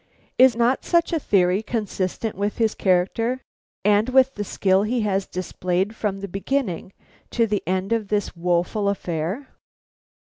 Is not such a theory consistent with his character and with the skill he has displayed from the beginning to the end of this woful affair?"